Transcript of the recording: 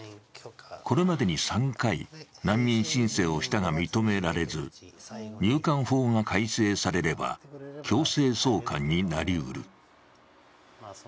これまでに３回難民申請をしたが認められず、入管法が改正されれば強制送還になりうる。